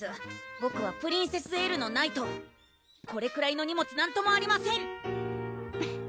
ボクはプリンセス・エルのナイトこれくらいの荷物なんともありません！